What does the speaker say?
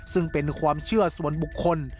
ซึ่งเป็นความเชื่อส่วนบุคคล